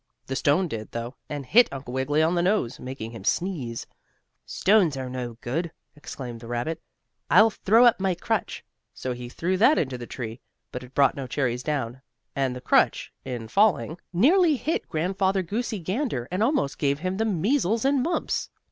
The stone did, though, and hit Uncle Wiggily on the nose, making him sneeze. "Stones are no good!" exclaimed the rabbit. "I'll throw up my crutch." So he threw that into the tree, but it brought no cherries down, and the crutch, in falling, nearly hit Grandfather Goosey Gander, and almost gave him the measles and mumps.